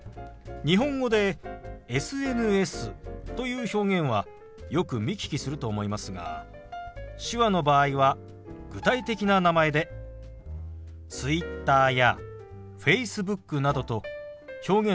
日本語でＳＮＳという表現はよく見聞きすると思いますが手話の場合は具体的な名前でＴｗｉｔｔｅｒやＦａｃｅｂｏｏｋなどと表現することが多いんですよ。